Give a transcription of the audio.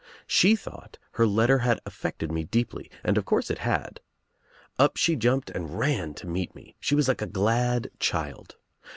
She thought her letter had affected me deeply, and of course it had. Up she jumped and ran to meet mc. She was like a glad child.